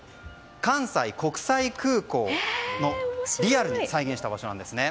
関西国際空港をリアルに再現した場所なんですね。